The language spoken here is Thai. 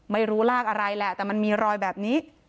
ไม่รู้รากอะไรแหละแต่มันมีรอยแบบนี้